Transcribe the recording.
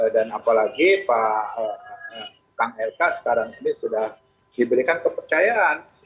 dan apalagi pak kang lk sekarang ini sudah diberikan kepercayaan